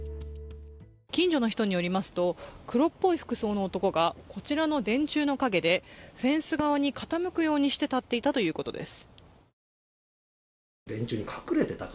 近所の人によりますと、黒っぽい服装の男がこちらの電柱の陰でフェンス側に傾くようにして立っていたということです。